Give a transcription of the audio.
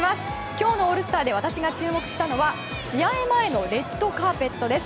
今日のオールスターで私が注目したのは試合前のレッドカーペットです。